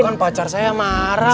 bukan pacar saya marah